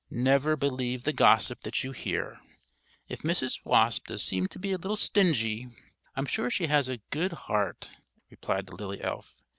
"Never believe the gossip that you hear. If Mrs. Wasp does seem to be a little stingy, I'm sure she has a good heart," replied the lily elf.